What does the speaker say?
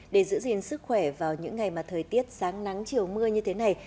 để giữ gìn sức khỏe vào những ngày mà thời tiết sáng nắng chiều mưa như thế này